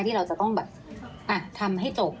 ที่เราจะต้องแบบทำให้จบ